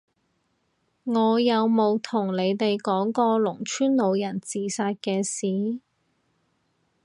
我有冇同你哋講過農村老人自殺嘅事？